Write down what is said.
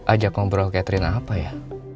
ajak ngobrol catherine apa ya